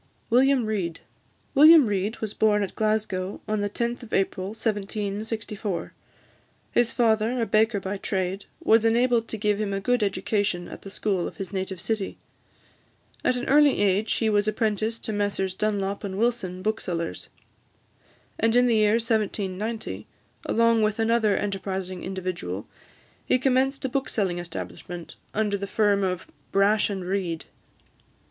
WILLIAM REID. William Reid was born at Glasgow on the 10th of April 1764. His father, a baker by trade, was enabled to give him a good education at the school of his native city. At an early age he was apprenticed to Messrs Dunlop and Wilson, booksellers; and in the year 1790, along with another enterprising individual, he commenced a bookselling establishment, under the firm of "Brash and Reid."